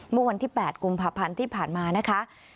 เมื่อวันที่๘กุมภาพันธ์ที่ผ่านมานะคะ